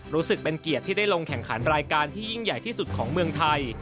รู้สึกเป็นเกียรติที่ได้ลงแข่งขันรายการที่ยิ่งใหญ่ที่สุดของเมืองไทย